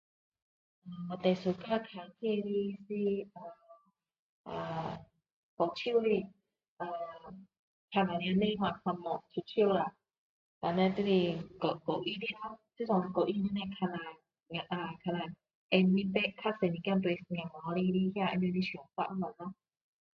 我最喜欢看戏的是呃好笑的呃看下没有烦恼笑笑啦然后叻就是教育的咯教育你那个看下看下会比较多多点对小孩的那个他们的想法东西咯